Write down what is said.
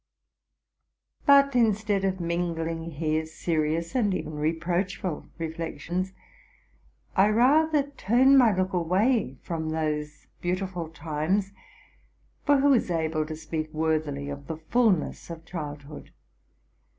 But, instead of mingling here serious and even reproachful reflections, I rather turn my look away from those beautiful times ; for who is able to speak worthily of the fulness of childhood?